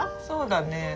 そうだね。